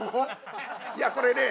いやこれね